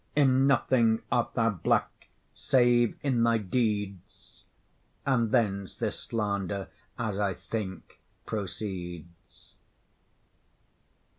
In nothing art thou black save in thy deeds, And thence this slander, as I think, proceeds.